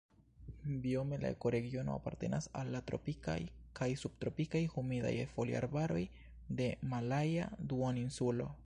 Biome la ekoregiono apartenas al la tropikaj kaj subtropikaj humidaj foliarbaroj de Malaja Duoninsulo.